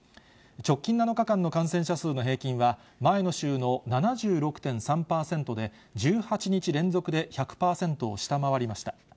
直近７日間の感染者数の平均は、前の週の７６．３％で、１８日連続で１００％を下回りました。